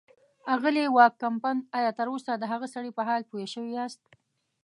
اغلې وان کمپن، ایا تراوسه د هغه سړي په حال پوه شوي یاست.